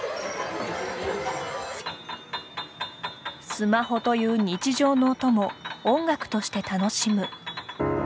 スマホという日常の音も音楽として楽しむ。